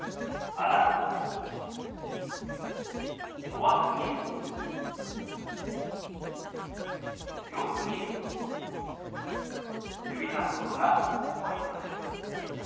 弱すぎず強すぎず指さすことがポイントです。